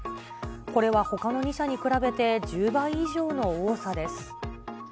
これはほかの２社に比べて、１０倍以上の多さです。